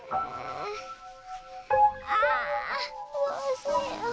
あどうしよう。